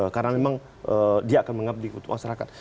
karena memang dia akan mengabdi untuk masyarakat